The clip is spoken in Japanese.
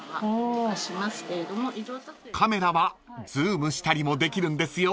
［カメラはズームしたりもできるんですよ］